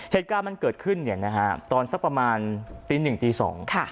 เหตุการณ์มันเกิดขึ้นเนี่ยนะฮะตอนสักประมาณตีหนึ่งตีสอง